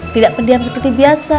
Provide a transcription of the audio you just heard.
tidak pediam seperti biasa